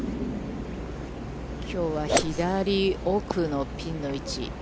きょうは左奥のピンの位置。